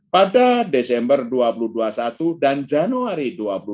pada desember dua ribu dua puluh satu dan januari dua ribu dua puluh